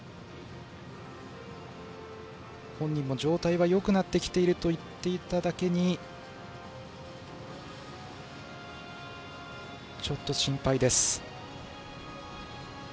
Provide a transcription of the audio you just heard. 本人も状態はよくなってきていると言っていただけにちょっと心配です。